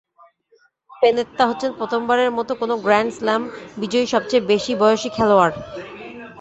পেনেত্তা হচ্ছেন প্রথমবারের মতো কোনো গ্র্যান্ড স্লাম বিজয়ী সবচেয়ে বেশি বয়সী খেলোয়াড়।